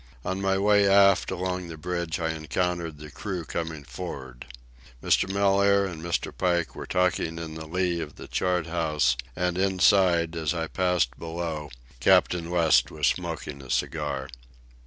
On my way aft along the bridge I encountered the crew coming for'ard. Mr. Mellaire and Mr. Pike were talking in the lee of the chart house, and inside, as I passed below, Captain West was smoking a cigar.